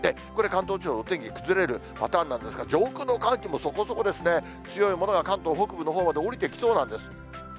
ここで関東地方、お天気崩れるパターンなんですが、上空の寒気もそこそこですね、強いものが関東北部のほうまで下りてきそうなんです。